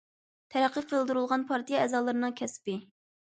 تەرەققىي قىلدۇرۇلغان پارتىيە ئەزالىرىنىڭ كەسپى.